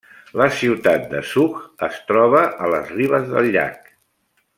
La ciutat de Zug es troba a les ribes del llac.